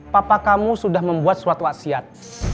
papa kamu sudah membuat suatu wasiat